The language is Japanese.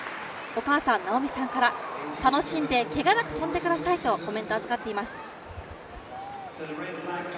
お母さん直美さんから楽しんでけがなく跳んでくださいとコメントを預かっています。